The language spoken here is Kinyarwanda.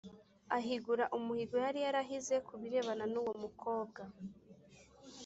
Ahigura umuhigo yari yarahize ku birebana n’ uwo mukobwa